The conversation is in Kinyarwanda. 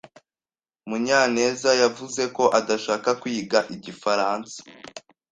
Munyanez yavuze ko adashaka kwiga igifaransa.